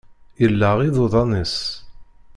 Yelleɣ iḍuḍan-is.